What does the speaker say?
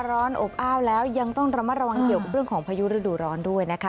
ร้อนอบอ้าวแล้วยังต้องระมัดระวังเกี่ยวกับเรื่องของพายุฤดูร้อนด้วยนะคะ